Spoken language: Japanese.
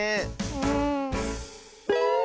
うん。